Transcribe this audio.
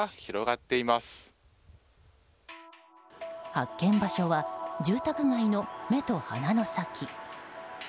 発見場所は住宅街の目と鼻の先。